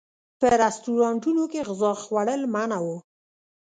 په رسټورانټونو کې غذا خوړل منع و.